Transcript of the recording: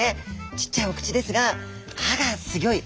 ちゃっちゃいお口ですが歯がすギョい。